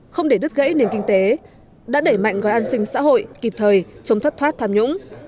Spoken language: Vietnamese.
không để đứt gãy nền kinh tế đã đẩy mạnh gói an sinh xã hội kịp thời chống thất thoát tham nhũng